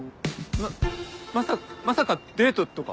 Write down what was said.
ままさまさかデートとか？